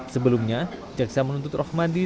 sebelumnya jaksa menuntut rohmadi saptogiri